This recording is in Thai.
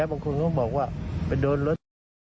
บางคนก็บอกว่าไปโดนรถ